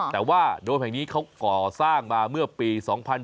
แต่ว่าโดมแห่งนี้เขาก่อสร้างมาเมื่อปี๒๕๔